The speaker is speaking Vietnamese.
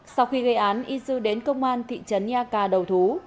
sau khi gây án isu đến công an thị trấn iaka đầu thú